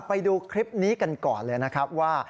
ไปดูคลิปนี้กันก่อนเลยนะครับว่า